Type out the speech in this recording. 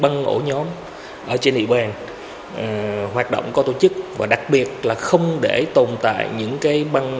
băng ổ nhóm ở trên địa bàn hoạt động có tổ chức và đặc biệt là không để tồn tại những cái băng